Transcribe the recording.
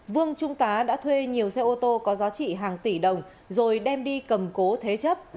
vương trung tá đã thuê nhiều xe ô tô có giá trị hàng tỷ đồng rồi đem đi cầm cố thế chấp